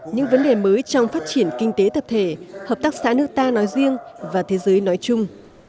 những vấn đề mới trong phát triển kinh tế tập thể hợp tác xã nước ta nói riêng và thế giới nói chung